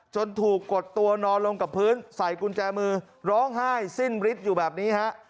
ถูกกดตัวนอนลงกับพื้นใส่กุญแจมือร้องไห้สิ้นฤทธิ์อยู่แบบนี้ฮะ